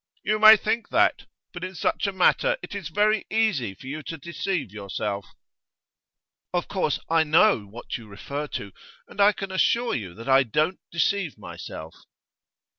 'You may think that. But in such a matter it is very easy for you to deceive yourself.' 'Of course I know what you refer to, and I can assure you that I don't deceive myself.